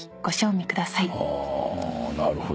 あなるほど。